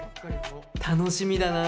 楽しみだな。